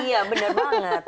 iya benar banget